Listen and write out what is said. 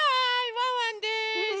ワンワンです。